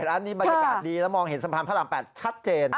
ร้านนี้บรรยากาศดีแล้วมองเห็นสะพานพระราม๘ชัดเจน